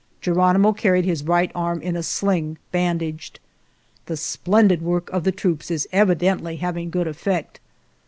Geronimo carried his right arm in a sling, bandaged. The splendid work of the troops is evidently having good effect.